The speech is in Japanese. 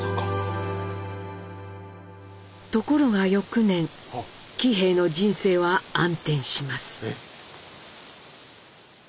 ところが翌年喜兵衛の人生は暗転します。